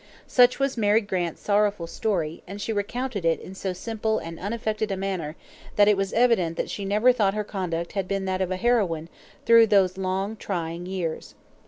Such was Mary Grant's sorrowful story, and she recounted it in so simple and unaffected a manner, that it was evident she never thought her conduct had been that of a heroine through those long trying years.